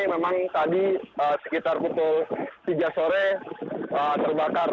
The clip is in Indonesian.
memang tadi sekitar pukul tiga sore terbakar